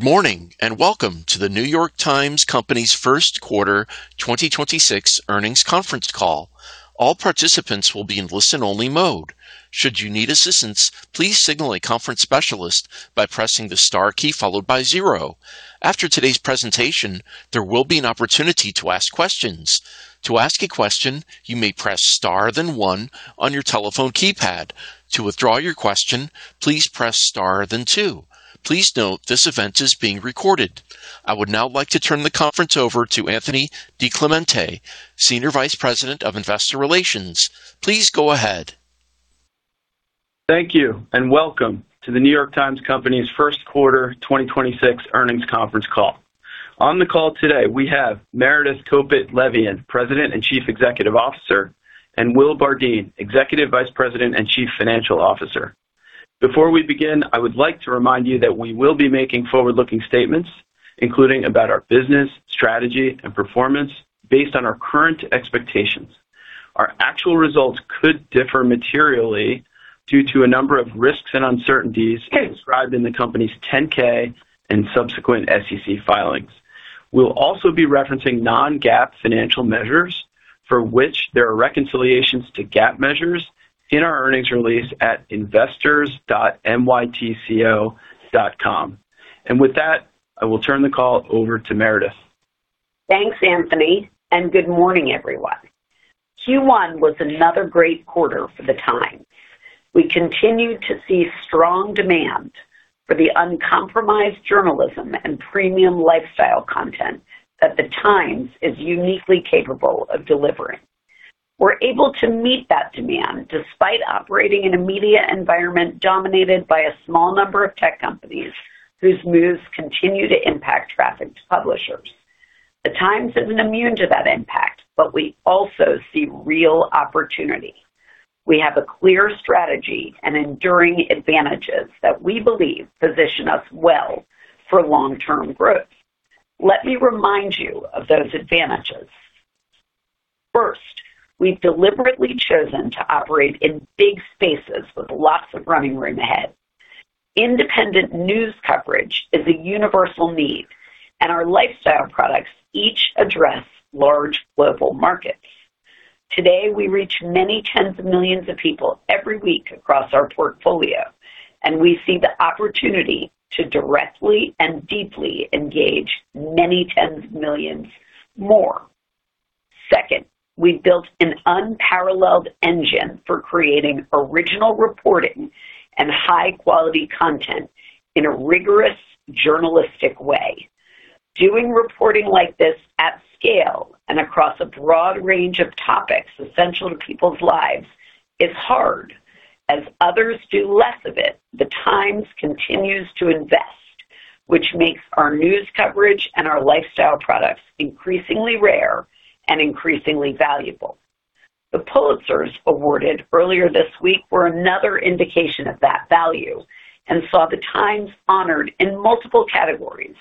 Good morning, and welcome to The New York Times Company's first quarter 2026 earnings conference call. All participants will be listen only mode should need assistant please signal conference specialist by pressing star key followed by zero after today presentation there will be an opportunity to ask question to as question you may press star then one on your telephone keypad to withdraw your question please press star then two please note this event is being recorded. I would now like to turn the conference over to Anthony DiClemente, Senior Vice President of Investor Relations. Please go ahead. Thank you, and welcome to The New York Times Company's first quarter 2026 earnings conference call. On the call today, we have Meredith Kopit Levien, President and Chief Executive Officer, and Will Bardeen, Executive Vice President and Chief Financial Officer. Before we begin, I would like to remind you that we will be making forward-looking statements, including about our business, strategy, and performance, based on our current expectations. Our actual results could differ materially due to a number of risks and uncertainties described in the company's 10-K and subsequent SEC filings. We'll also be referencing non-GAAP financial measures for which there are reconciliations to GAAP measures in our earnings release at investors.nytco.com. With that, I will turn the call over to Meredith. Thanks, Anthony. Good morning, everyone. Q1 was another great quarter for The Times. We continued to see strong demand for the uncompromised journalism and premium lifestyle content that The Times is uniquely capable of delivering. We're able to meet that demand despite operating in a media environment dominated by a small number of tech companies whose moves continue to impact traffic to publishers. The Times isn't immune to that impact, but we also see real opportunity. We have a clear strategy and enduring advantages that we believe position us well for long-term growth. Let me remind you of those advantages. First, we've deliberately chosen to operate in big spaces with lots of running room ahead. Independent news coverage is a universal need, and our lifestyle products each address large global markets. Today, we reach many tens of millions of people every week across our portfolio, and we see the opportunity to directly and deeply engage many tens of millions more. Second, we've built an unparalleled engine for creating original reporting and high-quality content in a rigorous journalistic way. Doing reporting like this at scale and across a broad range of topics essential to people's lives is hard. As others do less of it, The Times continues to invest, which makes our news coverage and our lifestyle products increasingly rare and increasingly valuable. The Pulitzers awarded earlier this week were another indication of that value and saw The Times honored in multiple categories,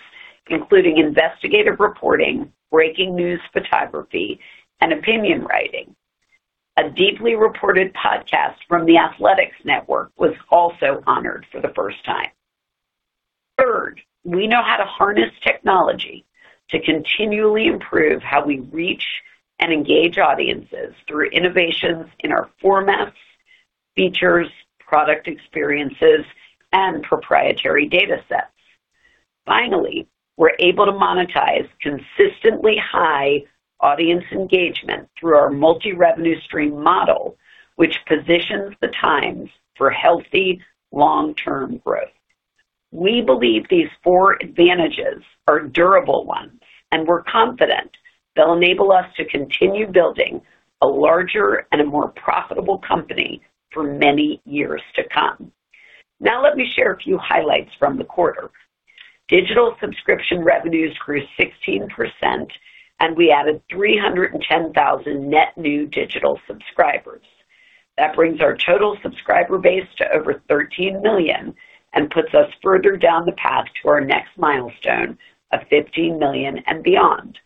including investigative reporting, breaking news photography, and opinion writing. A deeply reported podcast from The Athletic Podcast Network was also honored for the first time. We know how to harness technology to continually improve how we reach and engage audiences through innovations in our formats, features, product experiences, and proprietary datasets. We're able to monetize consistently high audience engagement through our multi-revenue stream model, which positions The Times for healthy long-term growth. We believe these four advantages are durable ones, and we're confident they'll enable us to continue building a larger and a more profitable company for many years to come. Let me share a few highlights from the quarter. Digital subscription revenues grew 16%, and we added 310,000 net new digital subscribers. That brings our total subscriber base to over 13 million and puts us further down the path to our next milestone of 15 million and beyond.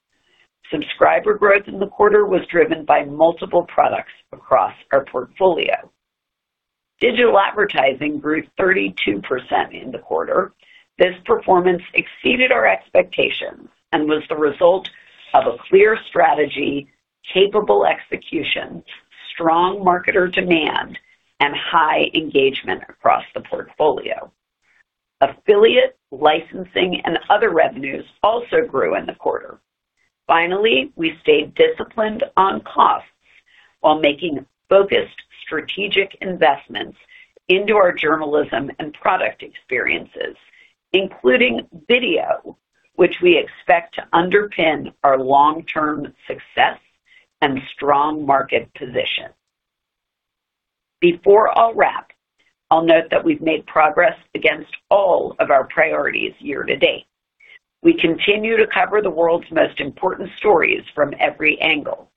Subscriber growth in the quarter was driven by multiple products across our portfolio. Digital advertising grew 32% in the quarter. This performance exceeded our expectations and was the result of a clear strategy, capable execution, strong marketer demand, and high engagement across the portfolio. Affiliate licensing and other revenues also grew in the quarter. Finally, we stayed disciplined on costs while making focused strategic investments into our journalism and product experiences, including video, which we expect to underpin our long-term success and strong market position. Before I'll wrap, I'll note that we've made progress against all of our priorities year to date. We continue to cover the world's most important stories from every angle.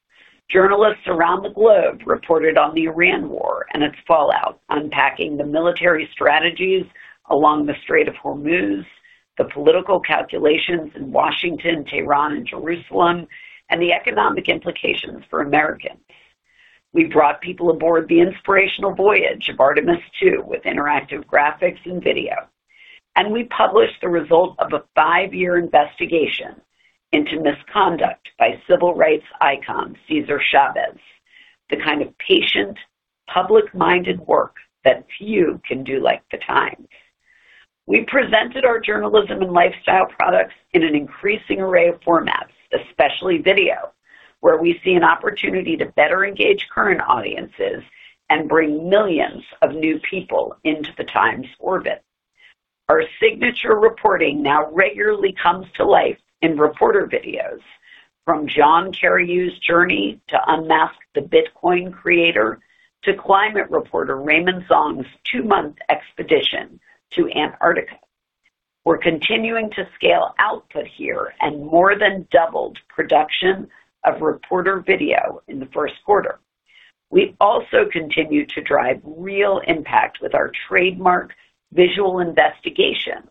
Journalists around the globe reported on the Iran War and its fallout, unpacking the military strategies along the Strait of Hormuz, the political calculations in Washington, Tehran, and Jerusalem, and the economic implications for Americans. We brought people aboard the inspirational voyage of Artemis II with interactive graphics and video. We published the result of a five-year investigation into misconduct by Civil Rights icon César Chávez, the kind of patient public-minded work that few can do like The Times. We presented our journalism and lifestyle products in an increasing array of formats, especially video, where we see an opportunity to better engage current audiences and bring millions of new people into The Times orbit. Our signature reporting now regularly comes to life in reporter videos from John Carreyrou's journey to unmask the Bitcoin creator to climate reporter Raymond Zhong's two-month expedition to Antarctica. We're continuing to scale output here and more than doubled production of reporter video in the first quarter. We also continue to drive real impact with our trademark visual investigations,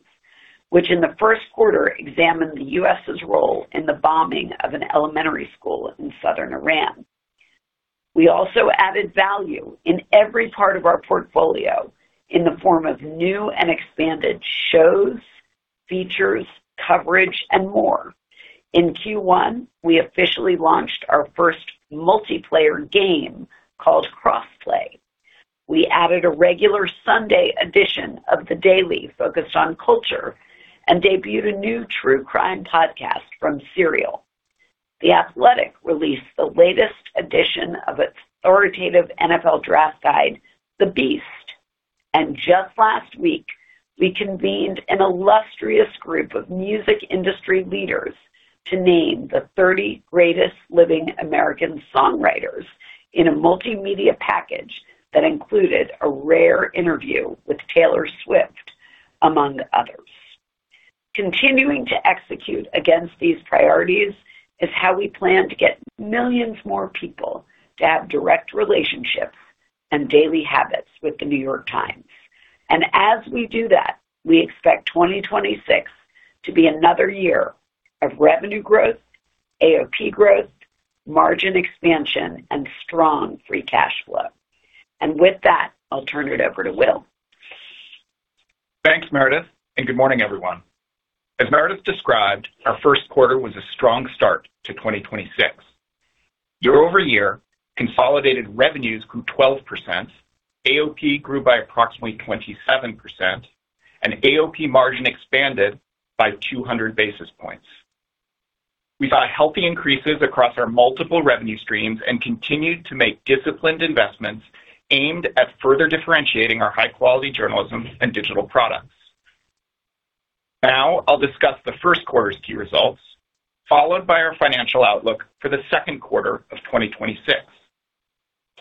which in the first quarter examined the U.S.'s role in the bombing of an elementary school in southern Iran. We also added value in every part of our portfolio in the form of new and expanded shows, features, coverage, and more. In Q1, we officially launched our first multiplayer game called Crossplay. We added a regular Sunday edition of The Daily focused on culture and debuted a new true crime podcast from Serial. The Athletic released the latest edition of its authoritative NFL draft guide, The Beast. Just last week, we convened an illustrious group of music industry leaders to name the 30 greatest living American songwriters in a multimedia package that included a rare interview with Taylor Swift, among others. Continuing to execute against these priorities is how we plan to get millions more people to have direct relationships and daily habits with The New York Times. As we do that, we expect 2026 to be another year of revenue growth, AOP growth, margin expansion, and strong free cash flow. With that, I'll turn it over to Will. Thanks, Meredith, and good morning, everyone. As Meredith described, our first quarter was a strong start to 2026. Year-over-year consolidated revenues grew 12%, AOP grew by approximately 27%, and AOP margin expanded by 200 basis points. We saw healthy increases across our multiple revenue streams and continued to make disciplined investments aimed at further differentiating our high-quality journalism and digital products. I'll discuss the first quarter's key results, followed by our financial outlook for the second quarter of 2026.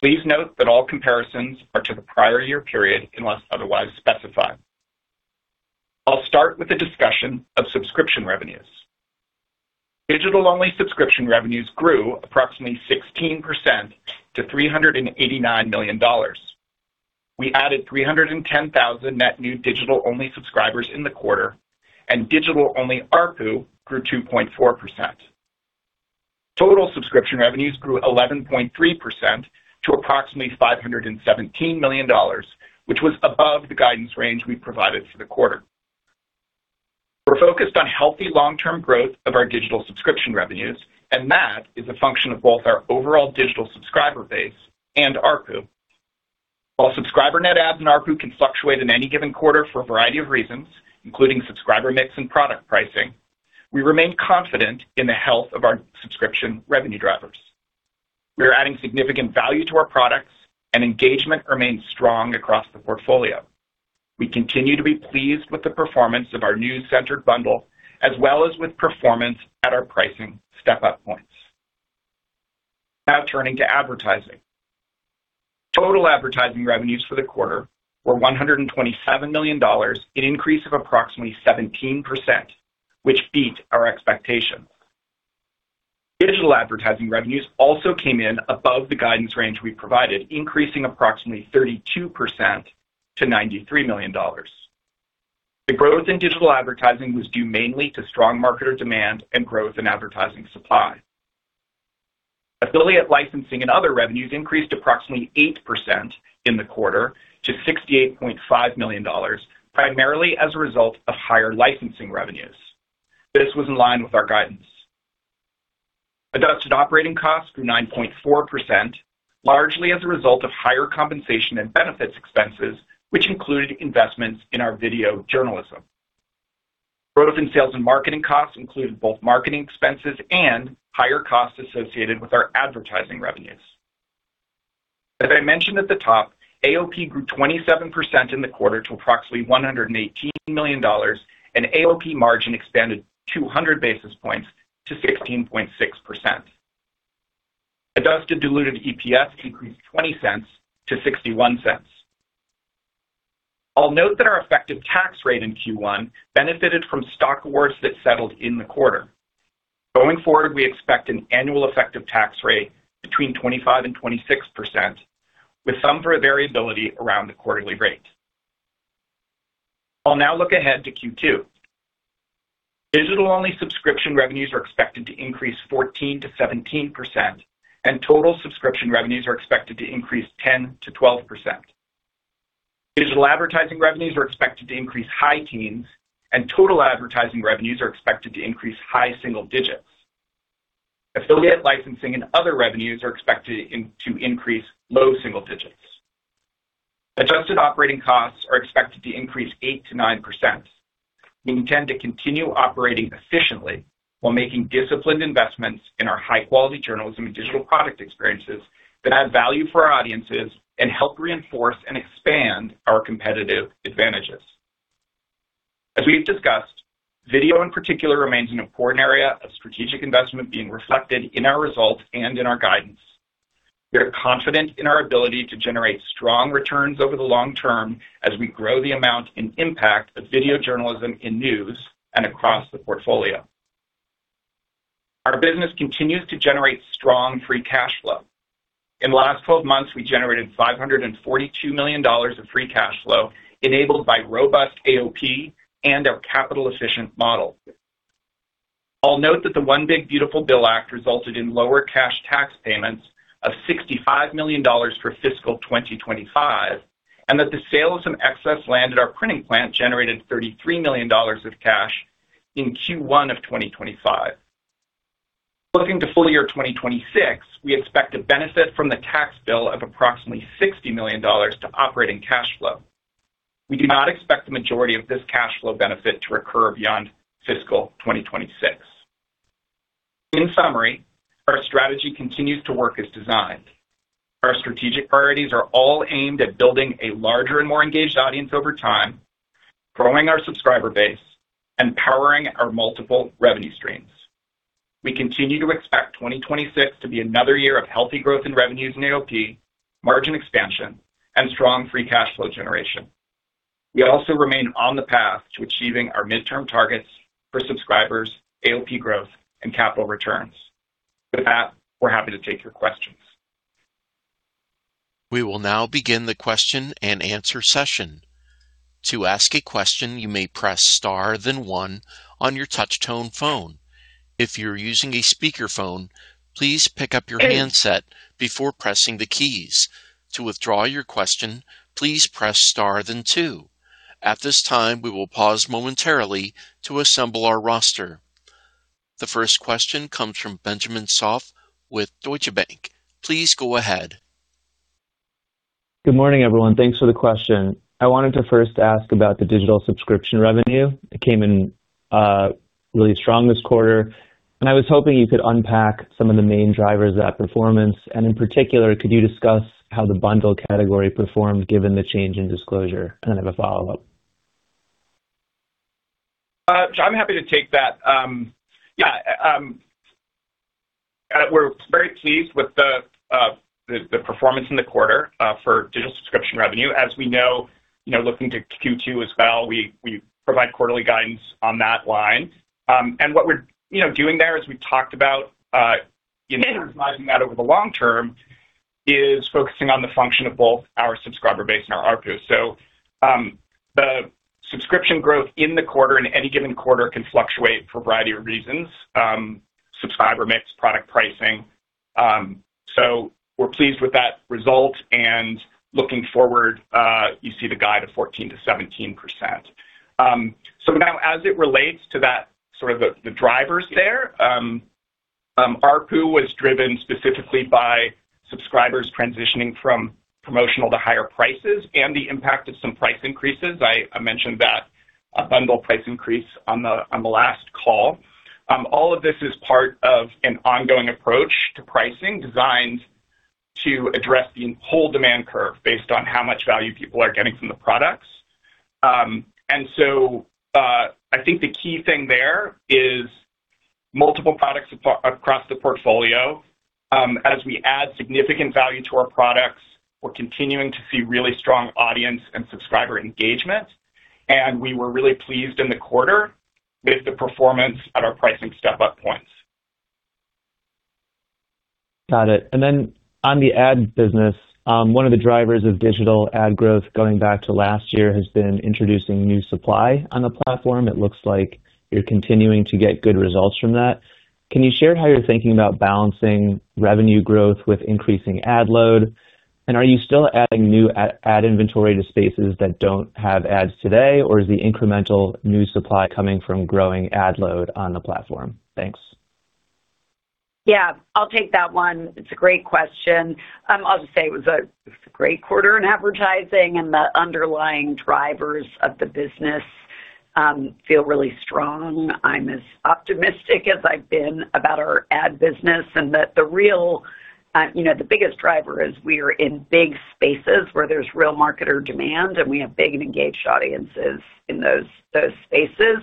Please note that all comparisons are to the prior year period unless otherwise specified. I'll start with a discussion of subscription revenues. Digital-only subscription revenues grew approximately 16% to $389 million. We added 310,000 net new digital-only subscribers in the quarter, and digital-only ARPU grew 2.4%. Total subscription revenues grew 11.3% to approximately $517 million, which was above the guidance range we provided for the quarter. We're focused on healthy long-term growth of our digital subscription revenues, and that is a function of both our overall digital subscriber base and ARPU. While subscriber net adds and ARPU can fluctuate in any given quarter for a variety of reasons, including subscriber mix and product pricing, we remain confident in the health of our subscription revenue drivers. We are adding significant value to our products, and engagement remains strong across the portfolio. We continue to be pleased with the performance of our news-centered bundle, as well as with performance at our pricing step-up points. Now turning to advertising. Total advertising revenues for the quarter were $127 million, an increase of approximately 17%, which beat our expectations. Digital advertising revenues also came in above the guidance range we provided, increasing approximately 32% to $93 million. The growth in digital advertising was due mainly to strong marketer demand and growth in advertising supply. Affiliate licensing and other revenues increased approximately 8% in the quarter to $68.5 million, primarily as a result of higher licensing revenues. This was in line with our guidance. Adjusted operating costs grew 9.4%, largely as a result of higher compensation and benefits expenses, which included investments in our video journalism. Growth in sales and marketing costs included both marketing expenses and higher costs associated with our advertising revenues. As I mentioned at the top, AOP grew 27% in the quarter to approximately $118 million, and AOP margin expanded 200 basis points to 16.6%. Adjusted diluted EPS increased $0.20 to $0.61. I'll note that our effective tax rate in Q1 benefited from stock awards that settled in the quarter. Going forward, we expect an annual effective tax rate between 25% and 26%, with some variability around the quarterly rate. I'll now look ahead to Q2. Digital-only subscription revenues are expected to increase 14%-17%, and total subscription revenues are expected to increase 10%-12%. Digital advertising revenues are expected to increase high teens, and total advertising revenues are expected to increase high single digits. Affiliate licensing and other revenues are expected to increase low single digits. Adjusted operating costs are expected to increase 8%-9%. We intend to continue operating efficiently while making disciplined investments in our high-quality journalism and digital product experiences that add value for our audiences and help reinforce and expand our competitive advantages. As we've discussed, video in particular remains an important area of strategic investment being reflected in our results and in our guidance. We are confident in our ability to generate strong returns over the long term as we grow the amount and impact of video journalism in news and across the portfolio. Our business continues to generate strong free cash flow. In the last 12 months, we generated $542 million of free cash flow enabled by robust AOP and our capital-efficient model. I'll note that the One Big Beautiful Bill Act resulted in lower cash tax payments of $65 million for fiscal 2025, and that the sale of some excess land at our printing plant generated $33 million of cash in Q1 of 2025. Looking to full year 2026, we expect to benefit from the tax bill of approximately $60 million to operating cash flow. We do not expect the majority of this cash flow benefit to recur beyond fiscal 2026. In summary, our strategy continues to work as designed. Our strategic priorities are all aimed at building a larger and more engaged audience over time, growing our subscriber base, and powering our multiple revenue streams. We continue to expect 2026 to be another year of healthy growth in revenues and AOP, margin expansion, and strong free cash flow generation. We also remain on the path to achieving our midterm targets for subscribers, AOP growth, and capital returns. With that, we're happy to take your questions. We will now begin the question-and-answer session. To ask question you may press star then one on touch tone phone if you are using speakerphone please pick up your handset before pressing any keys. To withdraw your question press star then two at this time we will pause momentarily to assemble ourselves. The first question comes from Benjamin Soff with Deutsche Bank. Please go ahead. Good morning, everyone. Thanks for the question. I wanted to first ask about the digital subscription revenue. It came in really strong this quarter, and I was hoping you could unpack some of the main drivers of that performance. In particular, could you discuss how the bundle category performed given the change in disclosure? This is kind of a follow-up. Ben, I'm happy to take that. We're very pleased with the performance in the quarter for digital subscription revenue. As we know, you know, looking to Q2 as well, we provide quarterly guidance on that line. What we're, you know, doing there is we talked about internalizing that over the long term is focusing on the function of both our subscriber base and our ARPU. The subscription growth in the quarter, in any given quarter, can fluctuate for a variety of reasons, subscriber mix, product pricing. We're pleased with that result, and looking forward, you see the guide of 14%-17%. Now as it relates to that sort of the drivers there, ARPU was driven specifically by subscribers transitioning from promotional to higher prices and the impact of some price increases. I mentioned that a bundle price increase on the last call. All of this is part of an ongoing approach to pricing designed to address the whole demand curve based on how much value people are getting from the products. I think the key thing there is multiple products across the portfolio. As we add significant value to our products, we're continuing to see really strong audience and subscriber engagement, and we were really pleased in the quarter with the performance at our pricing step-up points. Got it. On the ad business, one of the drivers of digital ad growth going back to last year has been introducing new supply on the platform. It looks like you're continuing to get good results from that. Can you share how you're thinking about balancing revenue growth with increasing ad load? Are you still adding new ad inventory to spaces that don't have ads today? Or is the incremental new supply coming from growing ad load on the platform? Thanks. Yeah, I'll take that one. It's a great question. I'll just say it was a great quarter in advertising, and the underlying drivers of the business feel really strong. I'm as optimistic as I've been about our ad business, and that the real, you know, the biggest driver is we are in big spaces where there's real marketer demand, and we have big and engaged audiences in those spaces.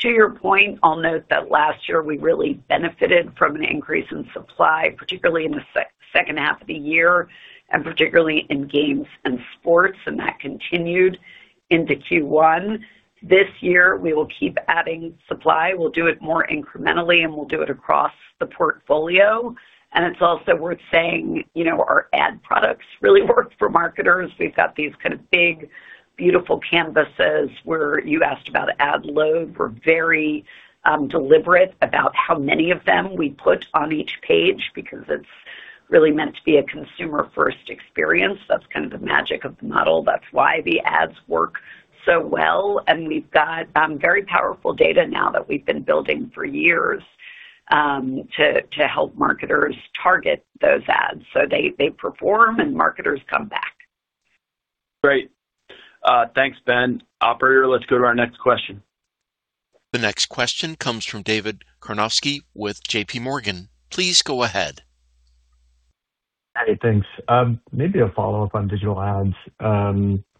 To your point, I'll note that last year, we really benefited from an increase in supply, particularly in the second half of the year, and particularly in games and sports, and that continued into Q1. This year, we will keep adding supply. We'll do it more incrementally, and we'll do it across the portfolio. It's also worth saying, you know, our ad products really work for marketers. We've got these kind of big, beautiful canvases where you asked about ad load. We're very deliberate about how many of them we put on each page because it's really meant to be a consumer-first experience. That's kind of the magic of the model. That's why the ads work so well. We've got very powerful data now that we've been building for years to help marketers target those ads. They perform, and marketers come back. Great. Thanks, Ben. Operator, let's go to our next question. The next question comes from David Karnovsky with JPMorgan. Please go ahead. Hey, thanks. Maybe a follow-up on digital ads.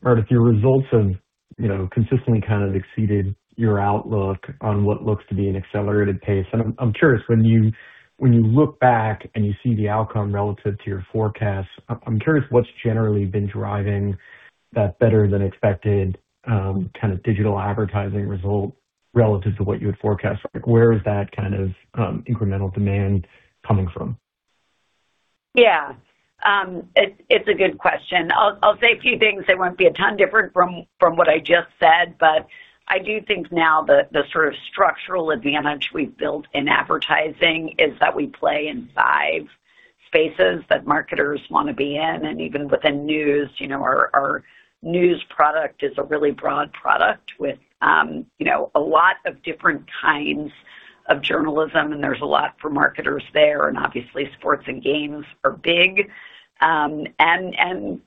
Meredith, your results have, you know, consistently kind of exceeded your outlook on what looks to be an accelerated pace. I'm curious, when you look back and you see the outcome relative to your forecast, I'm curious what's generally been driving that better than expected kind of digital advertising result relative to what you had forecast? Like, where is that kind of incremental demand coming from? Yeah. It's a good question. I'll say a few things. They won't be a ton different from what I just said, but I do think now the sort of structural advantage we've built in advertising is that we play in five spaces that marketers want to be in. Even within news, you know, our news product is a really broad product with, you know, a lot of different kinds of journalism, and there's a lot for marketers there. Obviously sports and games are big.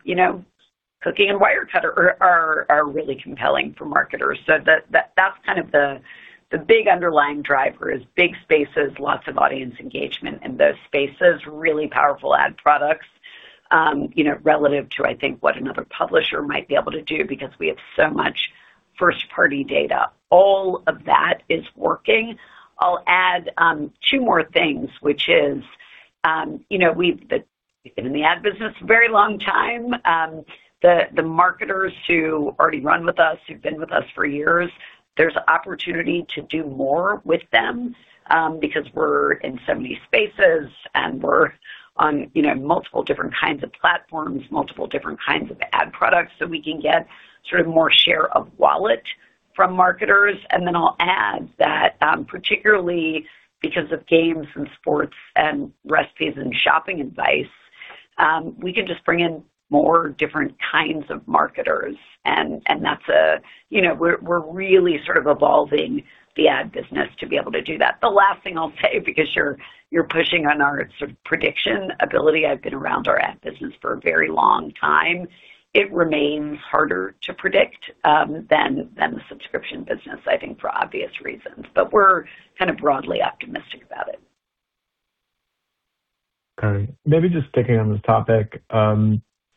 You know, cooking and Wirecutter are really compelling for marketers. That's kind of the big underlying driver is big spaces, lots of audience engagement in those spaces, really powerful ad products, you know, relative to, I think, what another publisher might be able to do because we have so much first-party data. All of that is working. I'll add two more things, which is, you know, we've been in the ad business a very long time. The marketers who already run with us, who've been with us for years, there's opportunity to do more with them, because we're in so many spaces and we're on, you know, multiple different kinds of platforms, multiple different kinds of ad products. We can get sort of more share of wallet from marketers. I'll add that, particularly because of games and sports and recipes and shopping advice, we can just bring in more different kinds of marketers. You know, we're really sort of evolving the ad business to be able to do that. The last thing I'll say, because you're pushing on our sort of prediction ability, I've been around our ad business for a very long time. It remains harder to predict than the subscription business, I think, for obvious reasons. We're kind of broadly optimistic about it. Got it. Maybe just sticking on this topic.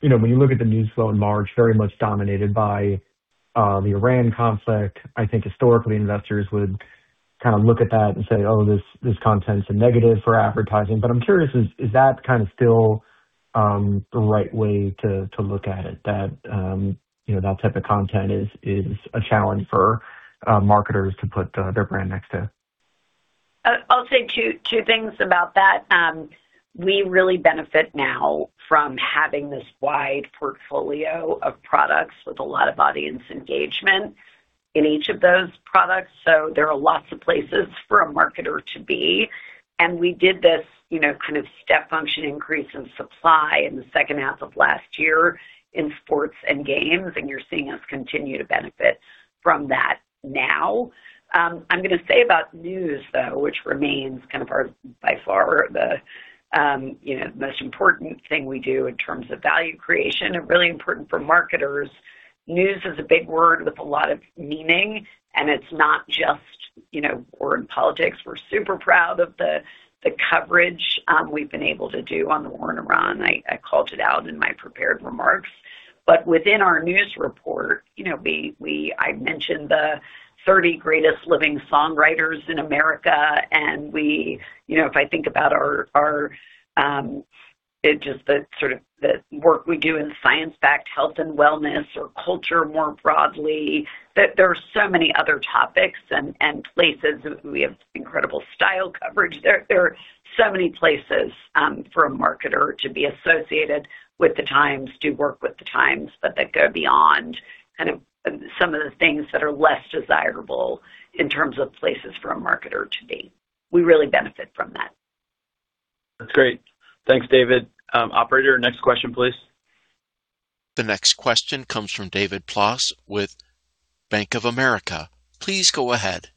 You know, when you look at the news flow in March, very much dominated by the Iran conflict, I think historically investors would kind of look at that and say, "Oh, this content is a negative for advertising." I'm curious, is that kind of still the right way to look at it? That, you know, that type of content is a challenge for marketers to put their brand next to? I'll say two things about that. We really benefit now from having this wide portfolio of products with a lot of audience engagement in each of those products, so there are lots of places for a marketer to be. We did this, you know, kind of step function increase in supply in the second half of last year in sports and games, and you're seeing us continue to benefit from that now. I'm gonna say about news, though, which remains kind of our by far the, you know, most important thing we do in terms of value creation and really important for marketers. News is a big word with a lot of meaning, and it's not just, you know, war and politics. We're super proud of the coverage we've been able to do on the war in Iran. I called it out in my prepared remarks. Within our news report, you know, we mentioned the 30 greatest living songwriters in America, and we You know, if I think about our, it just the sort of the work we do in science-backed health and wellness or culture more broadly, there are so many other topics and places. We have incredible style coverage. There are so many places for a marketer to be associated with The Times, to work with The Times, but that go beyond kind of some of the things that are less desirable in terms of places for a marketer to be. We really benefit from that. That's great. Thanks, David. Operator, next question, please. The next question comes from David Plaus with Bank of America. Please go ahead.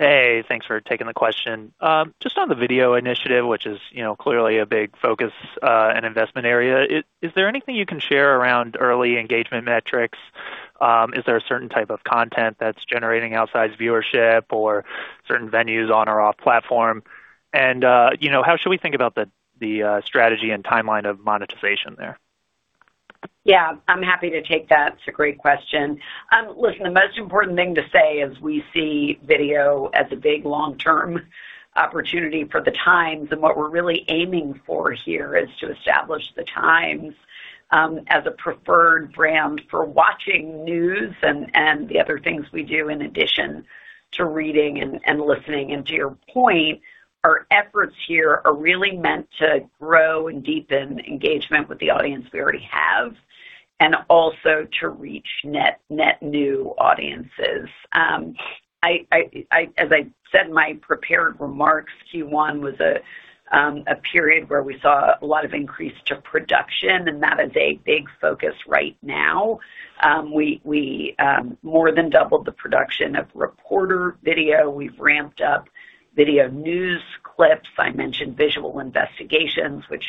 Hey, thanks for taking the question. Just on the video initiative, which is, you know, clearly a big focus and investment area, is there anything you can share around early engagement metrics? Is there a certain type of content that's generating outside viewership or certain venues on or off platform? You know, how should we think about the strategy and timeline of monetization there? Yeah, I'm happy to take that. It's a great question. Listen, the most important thing to say is we see video as a big long-term opportunity for The Times, and what we're really aiming for here is to establish The Times as a preferred brand for watching news and the other things we do in addition to reading and listening. To your point, our efforts here are really meant to grow and deepen engagement with the audience we already have, and also to reach net new audiences. As I said in my prepared remarks, Q1 was a period where we saw a lot of increase to production. That is a big focus right now. We more than doubled the production of reporter video. We've ramped up video news clips. I mentioned visual investigations, which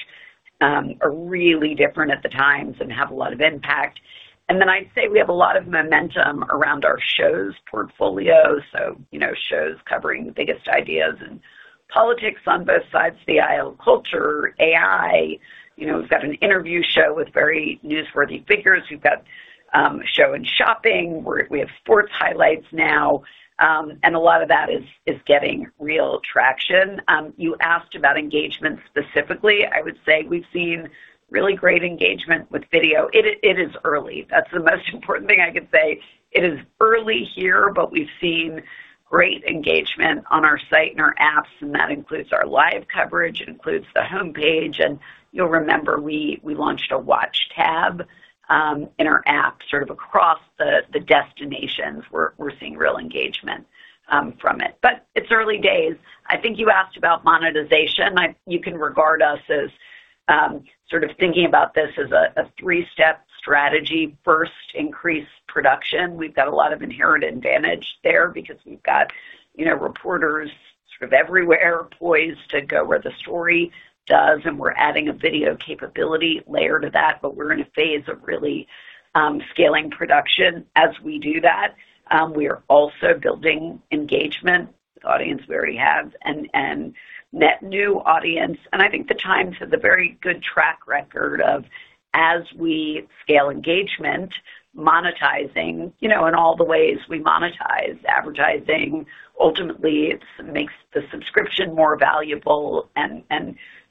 are really different at the Times and have a lot of impact. I'd say we have a lot of momentum around our shows portfolio. You know, shows covering the biggest ideas in politics on both sides of the aisle, culture, AI. You know, we've got an interview show with very newsworthy figures. We've got a show in shopping. We have sports highlights now. A lot of that is getting real traction. You asked about engagement specifically. I would say we've seen really great engagement with video. It is early. That's the most important thing I could say. It is early here, but we've seen great engagement on our site and our apps, and that includes our live coverage, it includes the homepage. You'll remember we launched a watch tab in our app sort of across the destinations. We're seeing real engagement from it. It's early days. I think you asked about monetization. You can regard us as sort of thinking about this as a three-step strategy. First, increase production. We've got a lot of inherent advantage there because we've got, you know, reporters sort of everywhere poised to go where the story does, and we're adding a video capability layer to that. We're in a phase of really scaling production. As we do that, we are also building engagement with the audience we already have and net new audience. I think The Times has a very good track record of, as we scale engagement, monetizing, you know, in all the ways we monetize advertising. Ultimately, makes the subscription more valuable and,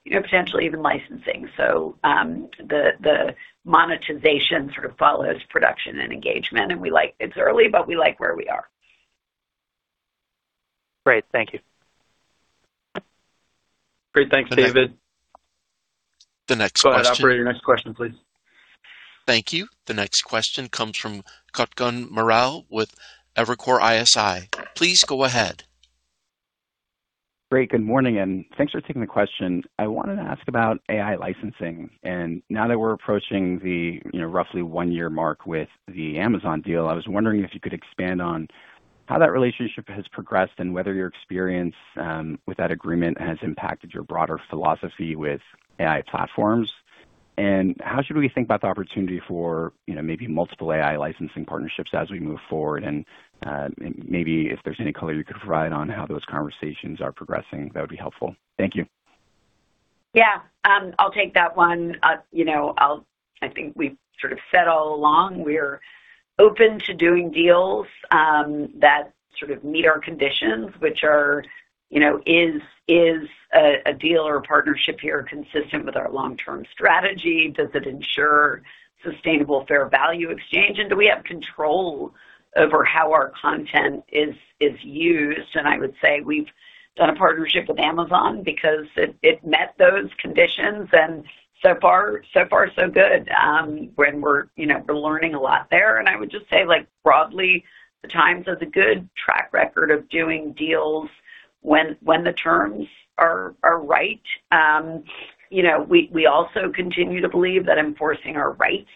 you know, potentially even licensing. The monetization sort of follows production and engagement. It's early, but we like where we are. Great. Thank you. Great. Thanks, David. The next question- Go ahead, operator. Next question, please. Thank you. The next question comes from Kutgun Maral with Evercore ISI. Please go ahead. Great. Good morning, thanks for taking the question. I wanted to ask about AI licensing. Now that we're approaching the, you know, roughly one-year mark with the Amazon deal, I was wondering if you could expand on how that relationship has progressed and whether your experience with that agreement has impacted your broader philosophy with AI platforms. How should we think about the opportunity for, you know, maybe multiple AI licensing partnerships as we move forward? Maybe if there's any color you could provide on how those conversations are progressing, that would be helpful. Thank you. Yeah. I'll take that one. You know, I think we've sort of said all along, we're open to doing deals that sort of meet our conditions, which are, you know, is a deal or a partnership here consistent with our long-term strategy? Does it ensure sustainable fair value exchange? Do we have control over how our content is used? I would say we've done a partnership with Amazon because it met those conditions, and so far so good. When, you know, we're learning a lot there. I would just say, like, broadly, The Times has a good track record of doing deals when the terms are right. You know, we also continue to believe that enforcing our rights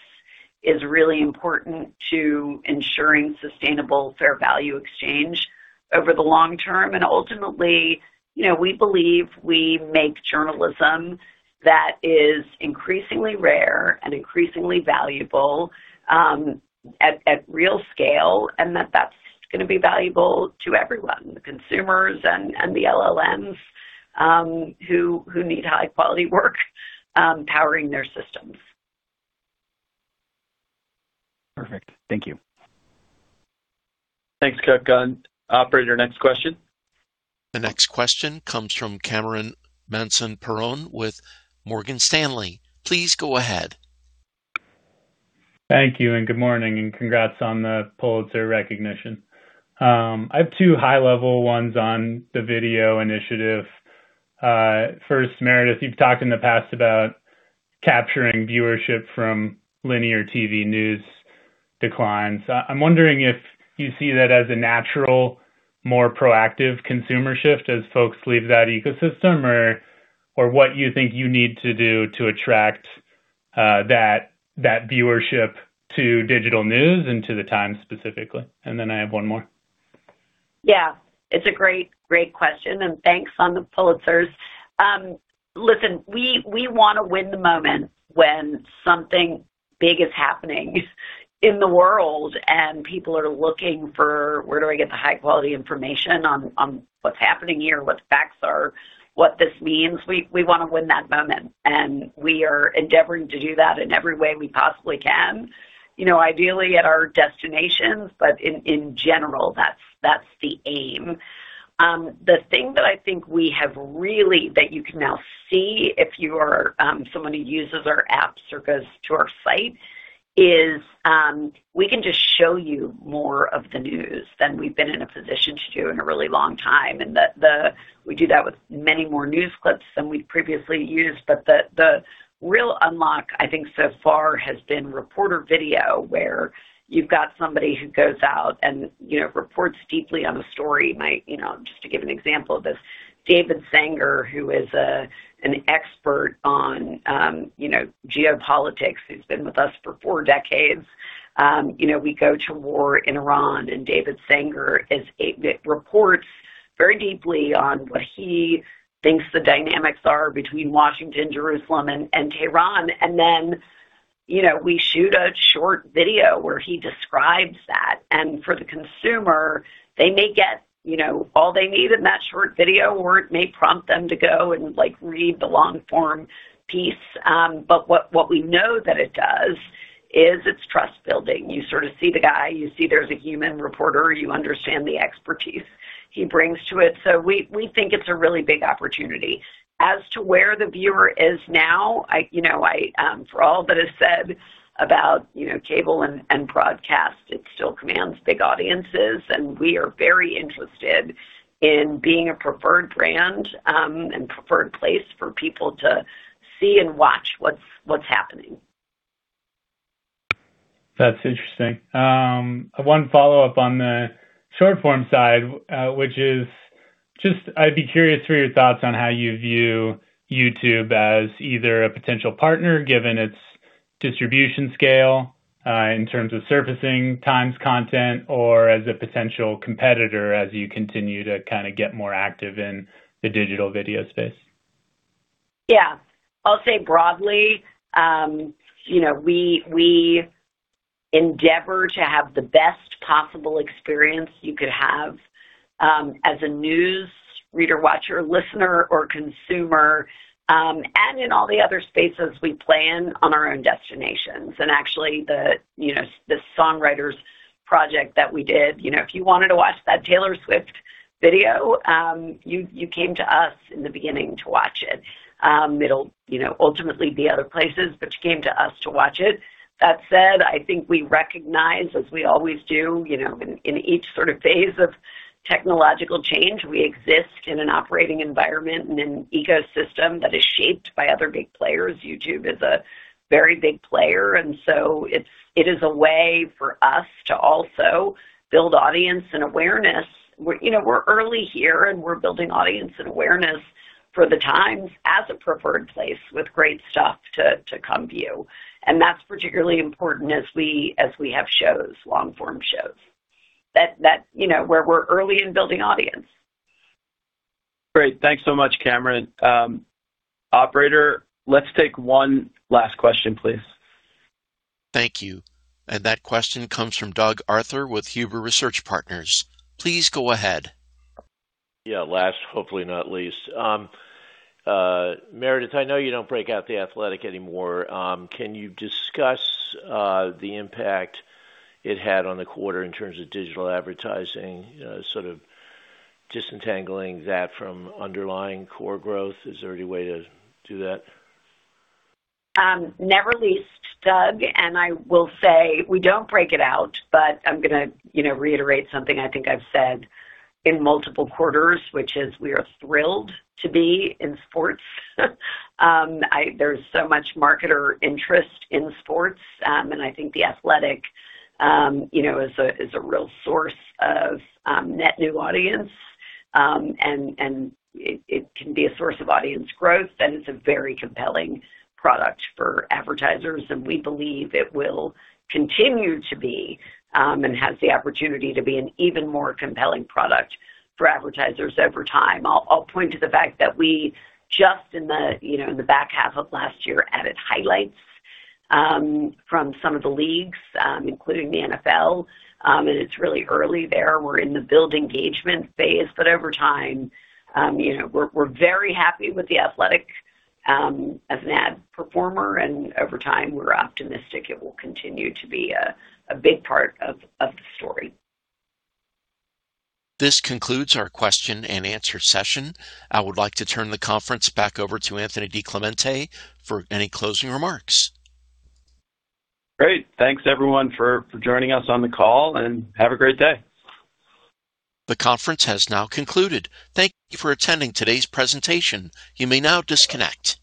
is really important to ensuring sustainable fair value exchange over the long term. Ultimately, you know, we believe we make journalism that is increasingly rare and increasingly valuable, at real scale, and that that's gonna be valuable to everyone, the consumers and the LLMs, who need high-quality work, powering their systems. Perfect. Thank you. Thanks, Kutgun. Operator, next question. The next question comes from Cameron Mansson-Perrone with Morgan Stanley. Please go ahead. Thank you, good morning, and congrats on the Pulitzer recognition. I have two high-level ones on the video initiative. First, Meredith, you've talked in the past about capturing viewership from linear TV news declines. I'm wondering if you see that as a natural, more proactive consumer shift as folks leave that ecosystem, or what you think you need to do to attract that viewership to digital news and to The Times specifically. Then I have one more. Yeah. It's a great question. Thanks on the Pulitzers. Listen, we wanna win the moment when something big is happening in the world and people are looking for, "Where do I get the high-quality information on what's happening here, what the facts are, what this means?" We wanna win that moment, and we are endeavoring to do that in every way we possibly can. You know, ideally at our destinations, but in general, that's the aim. The thing that I think we have that you can now see if you are someone who uses our apps or goes to our site is, we can just show you more of the news than we've been in a position to do in a really long time. We do that with many more news clips than we've previously used. The real unlock, I think so far has been reporter video, where you've got somebody who goes out and, you know, reports deeply on a story. You know, just to give an example of this, David Sanger, who is an expert on, you know, geopolitics, who's been with us for four decades. You know, we go to war in Iran, David E. Sanger reports very deeply on what he thinks the dynamics are between Washington, Jerusalem, and Tehran. You know, we shoot a short video where he describes that. For the consumer, they may get, you know, all they need in that short video, or it may prompt them to go and, like, read the long form piece. What we know that it does is it's trust building. You sort of see the guy. You see there's a human reporter. You understand the expertise he brings to it. We think it's a really big opportunity. As to where the viewer is now, I, you know, I for all that is said about, you know, cable and broadcast, it still commands big audiences, and we are very interested in being a preferred brand and preferred place for people to see and watch what's happening. That's interesting. One follow-up on the short form side, which is just I'd be curious for your thoughts on how you view YouTube as either a potential partner, given its distribution scale, in terms of surfacing Times content or as a potential competitor as you continue to kind of get more active in the digital video space. Yeah. I'll say broadly, you know, we endeavor to have the best possible experience you could have as a news reader, watcher, listener or consumer, in all the other spaces we play in on our own destinations. Actually the, you know, the songwriters project that we did, you know, if you wanted to watch that Taylor Swift video, you came to us in the beginning to watch it. It'll, you know, ultimately be other places, you came to us to watch it. That said, I think we recognize, as we always do, you know, in each sort of phase of technological change, we exist in an operating environment and an ecosystem that is shaped by other big players. YouTube is a very big player, it is a way for us to also build audience and awareness. We're, you know, we're early here, and we're building audience and awareness for the Times as a preferred place with great stuff to come view. That's particularly important as we have shows, long-form shows. That, you know, where we're early in building audience. Great. Thanks so much, Cameron. Operator, let's take one last question, please. Thank you. That question comes from Doug Arthur with Huber Research Partners. Please go ahead. Yeah, last, hopefully not least. Meredith, I know you don't break out The Athletic anymore. Can you discuss the impact it had on the quarter in terms of digital advertising, sort of disentangling that from underlying core growth? Is there any way to do that? Never least, Doug, I will say we don't break it out, but I'm gonna, you know, reiterate something I think I've said in multiple quarters, which is we are thrilled to be in sports. There's so much marketer interest in sports. I think The Athletic, you know, is a real source of net new audience. It can be a source of audience growth, and it's a very compelling product for advertisers, and we believe it will continue to be, and it has the opportunity to be an even more compelling product for advertisers over time. I'll point to the fact that we just in the, you know, in the back half of last year added highlights from some of the leagues, including the NFL. It's really early there. We're in the build engagement phase, but over time, you know We're very happy with The Athletic, as an ad performer, and over time, we're optimistic it will continue to be a big part of the story. This concludes our question-and-answer session. I would like to turn the conference back over to Anthony DiClemente for any closing remarks. Great. Thanks, everyone, for joining us on the call, and have a great day. The conference has now concluded. Thank you for attending today's presentation. You may now disconnect.